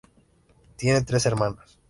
Tiene tres hermanas.